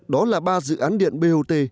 đó là ba dự án điện bot